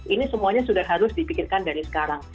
ini semuanya sudah harus dipikirkan dari sekarang